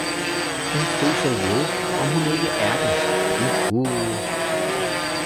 Hun fryser ihjel, om hun ikke er det, uhuh